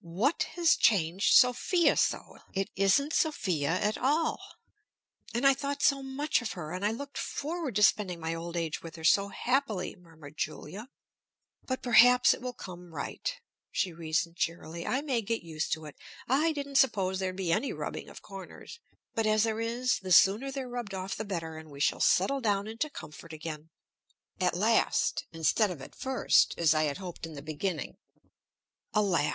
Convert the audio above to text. "What has changed Sophia so? It isn't Sophia at all! And I thought so much of her, and I looked forward to spending my old age with her so happily!" murmured Julia. "But perhaps it will come right," she reasoned cheerily. "I may get used to it. I didn't suppose there'd be any rubbing of corners. But as there is, the sooner they're rubbed off the better, and we shall settle down into comfort again, at last instead of at first, as I had hoped in the beginning." Alas!